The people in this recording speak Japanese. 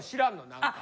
何か。